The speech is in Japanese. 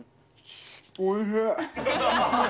おいしい。